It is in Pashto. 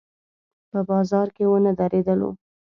په بازار کې ونه درېدلو.